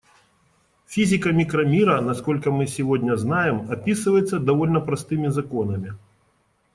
Физика микромира, насколько мы сегодня знаем, описывается довольно простыми законами.